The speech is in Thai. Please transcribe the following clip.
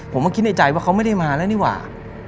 มาคิดในใจว่าเขาไม่ได้มาแล้วนี่หว่า